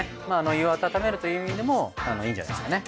胃を温めるという意味でもいいんじゃないっすかね。